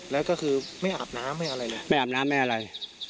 แล้วก็คือไม่อาบน้ำไม่อะไรเลยไม่อาบน้ำไม่อะไร